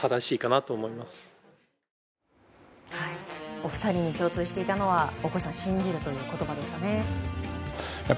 お二人に共通していたのは信じるという言葉でしたね大越さん。